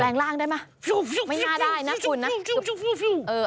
ร่างได้ไหมไม่น่าได้นะคุณนะ